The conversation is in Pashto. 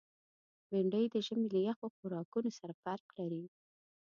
بېنډۍ د ژمي له یخو خوراکونو سره فرق لري